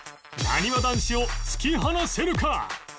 なにわ男子を突き放せるか？